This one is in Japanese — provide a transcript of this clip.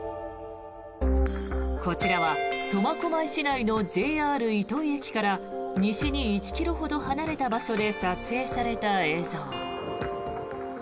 こちらは苫小牧市内のＪＲ糸井駅から西に１ｋｍほど離れた場所で撮影された映像。